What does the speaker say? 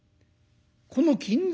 この金蔵